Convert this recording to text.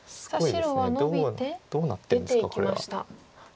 白はノビて出ていきました。